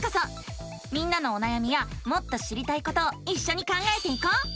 みんなのおなやみやもっと知りたいことをいっしょに考えていこう！